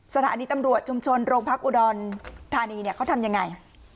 สถานีตำรวจชุมชนโรงพักอุดรธานีเนี่ยเขาทำยังไง